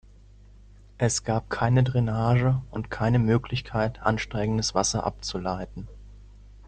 Es gab keine Drainage und keine Möglichkeit, ansteigendes Wasser abzuleiten.